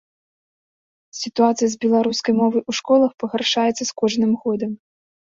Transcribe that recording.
Сітуацыя з беларускай мовай у школах пагаршаецца з кожным годам.